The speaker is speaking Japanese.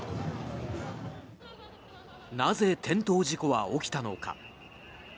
なぜ、転倒事故は起きたのか。